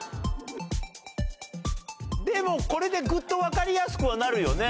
でもこれでぐっと分かりやすくはなるよね。